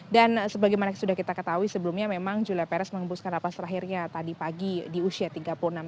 dan sebagaimana sudah kita ketahui sebelumnya memang julia perez mengembuskan rapat terakhirnya tadi pagi di usia tiga puluh enam tahunnya setelah mengidam